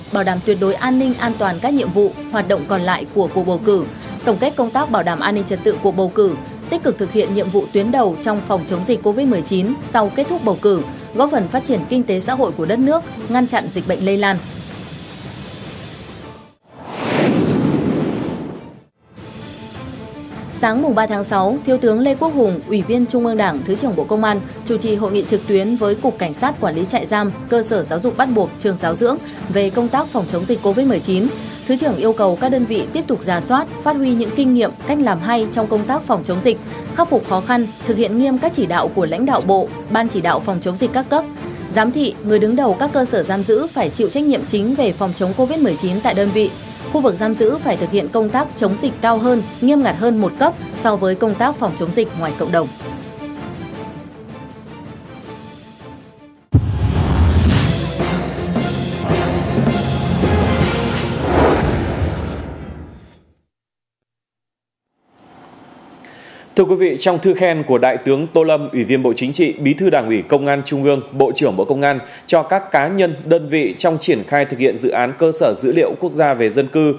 bảo đảm tuyệt đối an ninh an toàn các nhiệm vụ hoạt động còn lại của cuộc bầu cử tổng kết công tác bảo đảm an ninh trật tự cuộc bầu cử tích cực thực hiện nhiệm vụ tuyến đầu trong phòng chống dịch covid một mươi chín sau kết thúc bầu cử góp phần phát triển kinh tế xã hội của đất nước ngăn chặn dịch bệnh lây lan